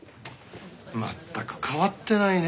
まったく変わってないね